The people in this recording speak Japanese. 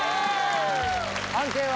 判定は？